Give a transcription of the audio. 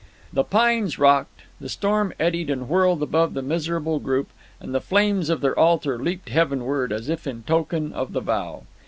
The pines rocked, the storm eddied and whirled above the miserable group, and the flames of their altar leaped heavenward as if in token of the vow.